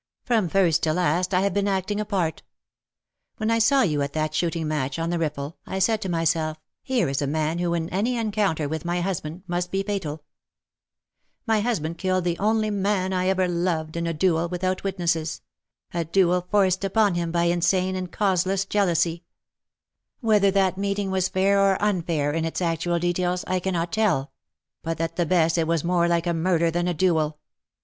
From first to last I have been acting a part. When I saw you at that shooting match, on the Eiflfel, I said to myself ' Here is a man, who in any encounter with my husband, must be fatal/ My husband killed the only man I ever loved, in a duel, without witnesses — a duel forced upon him by insane and causeless jealous}^ Whether that meeting was fair or unfair in its actual details, I cannot tell; but at the best it was more like a murder than a duel.